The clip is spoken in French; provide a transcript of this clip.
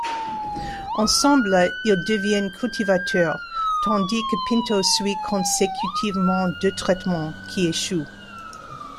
Ensemble ils deviennent cultivateurs, tandis que Pinto suit consécutivement deux traitements, qui échouent.